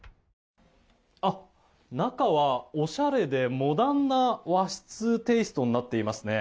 中はおしゃれでモダンな和室テイストになっていますね。